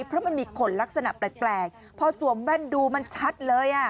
เพราะมันมีขนลักษณะแปลกพอสวมแว่นดูมันชัดเลย